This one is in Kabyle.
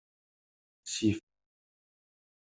Sif.